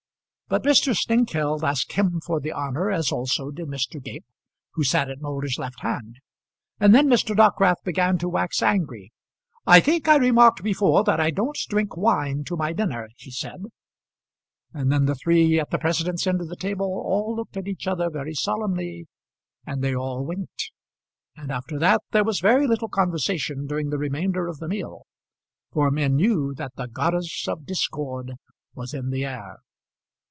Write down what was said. But Mr. Snengkeld asked him for the honour, as also did Mr. Gape, who sat at Moulder's left hand; and then Mr. Dockwrath began to wax angry. "I think I remarked before that I don't drink wine to my dinner," he said; and then the three at the president's end of the table all looked at each other very solemnly, and they all winked; and after that there was very little conversation during the remainder of the meal, for men knew that the goddess of discord was in the air.